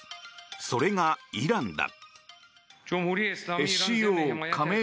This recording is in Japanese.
それがイランだ。